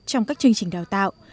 trong các chương trình đào tạo